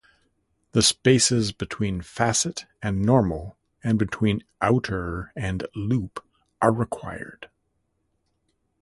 The spaces between "facet" and "normal" and between "outer" and "loop" are required.